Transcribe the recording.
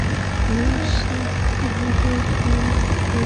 বেশ, শিল্ডে সামান্য ক্ষতি হয়েছে।